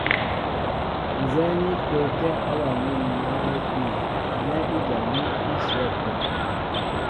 Ǹzɛ́ɛ́ ní pə́ə́tɛ̄ awaní mwǎ a lə́pi nɛ́ ijaní í shyɛ̌ ápə́.